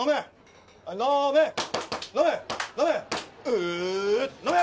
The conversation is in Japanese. う飲め！